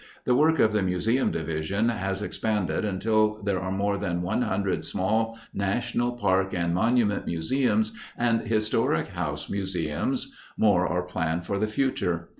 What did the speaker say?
The work of the Museum Division has expanded until there are more than one hundred small national park and monument museums and historic house museums; more are planned for the future.